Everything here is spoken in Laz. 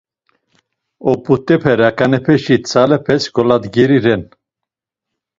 Oput̆epe raǩanepeşi tzalepes goladgeri ren.